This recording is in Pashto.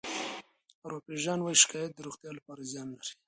ارواپيژان وايي شکایت د روغتیا لپاره زیان لري.